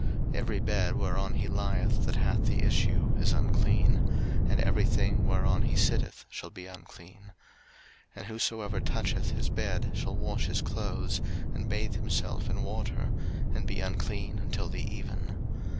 03:015:004 Every bed, whereon he lieth that hath the issue, is unclean: and every thing, whereon he sitteth, shall be unclean. 03:015:005 And whosoever toucheth his bed shall wash his clothes, and bathe himself in water, and be unclean until the even.